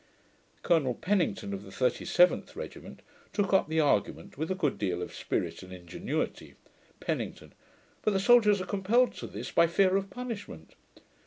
Colonel Pennington, of the 37th regiment, took up the argument with a good deal of spirit and ingenuity. PENNINGTON. 'But the soldiers are compelled to this, by fear of punishment.'